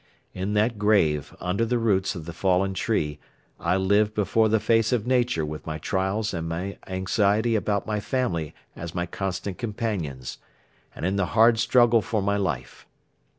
In that grave under the roots of the fallen tree I lived before the face of nature with my trials and my anxiety about my family as my constant companions, and in the hard struggle for my life.